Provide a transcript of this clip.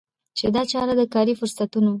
چي دا چاره د کاري فرصتونو